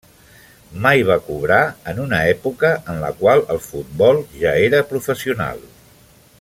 Mai va cobrar en una època en la qual el futbol ja era professional.